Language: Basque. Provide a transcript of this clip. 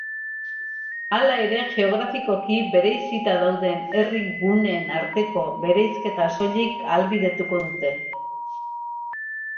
Hala ere, geografikoki bereizita dauden herri guneen arteko bereizketa soilik ahalbidetuko dute.